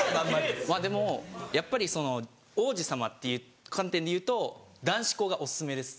まぁでもやっぱりその王子様っていう観点でいうと男子校がお薦めです。